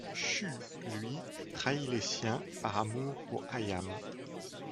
Shû, lui, trahit les siens par amour pour Ayame.